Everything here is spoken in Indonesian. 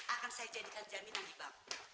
akan saya jadikan jaminan di bank